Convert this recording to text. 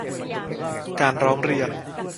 การร้องเรียน